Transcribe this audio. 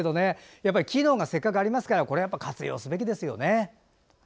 やっぱり機能がせっかくありますから活用すべきですね。